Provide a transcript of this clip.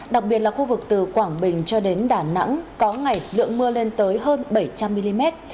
đặc biệt là khu vực từ quảng bình cho đến đà nẵng có ngày lượng mưa lên tới hơn bảy trăm linh mm